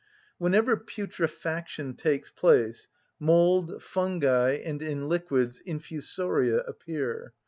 Whenever putrefaction takes place mould, fungi, and in liquids infusoria appear.